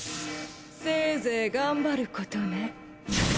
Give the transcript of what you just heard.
せいぜい頑張ることね。